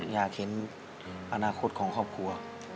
อยากเห็นอนาคตของครอบครัว